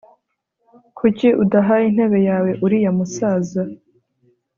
Kuki udaha intebe yawe uriya musaza